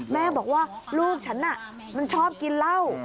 แม่บอกว่าลูกฉันน่ะมันชอบกินเหล้า